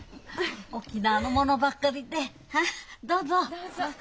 沖縄のものばかりでどうぞ。